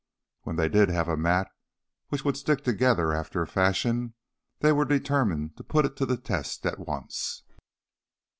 When they did have a mat which would stick together after a fashion, they were determined to put it to the test at once.